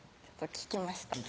聞きました